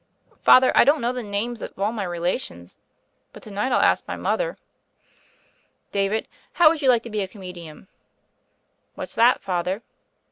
'' "Father, I don't know the names of all my relations. But to night I'll ask my mother." "David, how would you like to be a come dian?" "What's that. Father?"